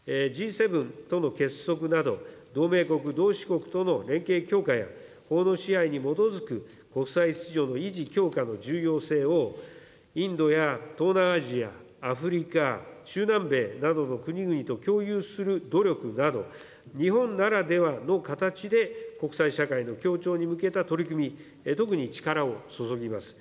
Ｇ７との結束など、同盟国、同志国との連携強化や、法の支配に基づく国際秩序の維持強化の重要性をインドや東南アジア、アフリカ、中南米などの国々と共有する努力など、日本ならではの形で、国際社会の協調に向けた取り組み、特に力を注ぎます。